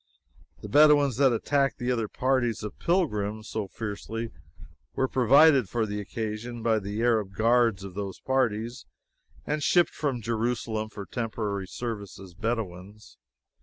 The Bedouins that attacked the other parties of pilgrims so fiercely were provided for the occasion by the Arab guards of those parties, and shipped from Jerusalem for temporary service as Bedouins.